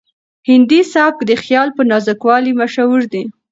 هندي سبک د خیال په نازکوالي مشهور دی.